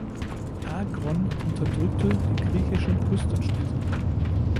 Agron unterdrückte die griechischen Küstenstädte.